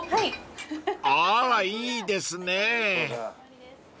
［あらいいですね］